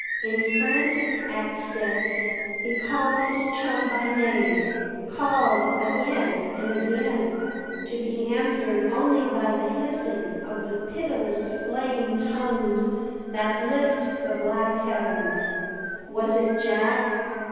In frantic accents he called his chum by name called again and again to be answered only by the hissing of the pitiless flame tongues that licked the black heavens. Was it Jack?